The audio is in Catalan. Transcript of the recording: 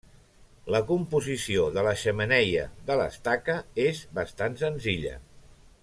La composició de la xemeneia de l'Estaca és bastant senzilla.